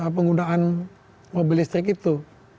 penggunaan mobil listrik itu